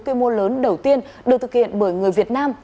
quy mô lớn đầu tiên được thực hiện bởi người việt nam